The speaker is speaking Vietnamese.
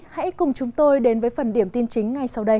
hãy cùng chúng tôi đến với phần điểm tin chính ngay sau đây